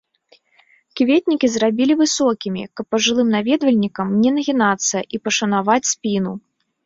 Кветнікі зрабілі высокімі, каб пажылым наведвальнікам не нагінацца і пашанаваць спіну.